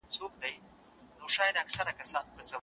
انټرنیټ د تفریح لپاره هم کارول کیږي.